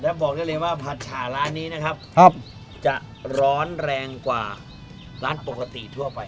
บอกได้เลยว่าผัดฉาร้านนี้นะครับจะร้อนแรงกว่าร้านปกติทั่วไป